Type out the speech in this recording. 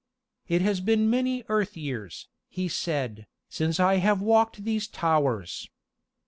"It has been many earth years," he said, "since I have walked these towers.